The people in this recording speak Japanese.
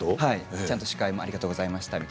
ちゃんと司会もありがとうございました、と。